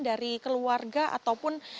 dari keluarga ataupun